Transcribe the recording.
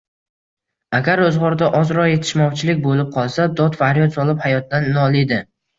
Agar ro‘zg‘orda ozroq yetishmovchilik bo‘lib qolsa, dod-faryod solib hayotdan noliydi.